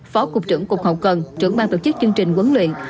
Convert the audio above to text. phó cục trưởng cục hậu cần trưởng ban tổ chức chương trình quấn luyện